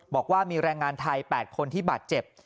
บอกว่ามีแรงงานไทย๘คนที่บาดเจ็บ